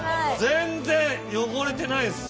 全然汚れてないです。